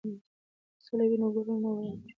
که سوله وي نو کورونه نه ورانیږي.